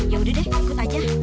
yaudah deh ikut aja